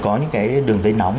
có những cái đường dây nóng